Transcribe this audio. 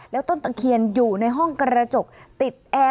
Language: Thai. แล้วต้นตะเคียนอยู่ในห้องกระจกติดแอร์